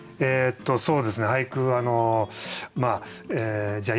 そうですね俳句じゃあ